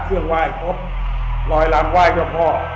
เครื่องไหว้ครบลอยลำไหว้เจ้าพ่อ